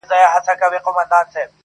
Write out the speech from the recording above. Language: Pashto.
د خپل رقیب کړو نیمه خوا لښکري!